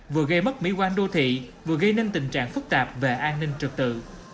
vừa gây mất mỹ quan đô thị vừa gây nên tình trạng phức tạp về an ninh trực tự